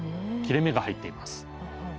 切れ目が入っています。